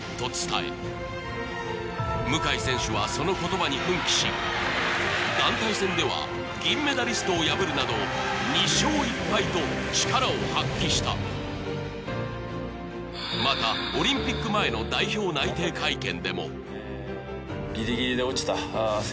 向選手はその言葉に奮起し団体戦では銀メダリストを破るなど２勝１敗と力を発揮したまたオリンピック前の代表内定会見でもような状況であります